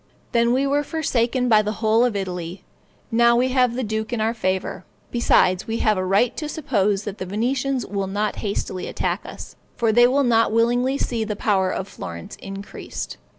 Then we were forsaken by the whole of Italy; now we have the duke in our favor; besides we have a right to suppose that the Venetians will not hastily attack us; for they will not willingly see the power of Florence increased.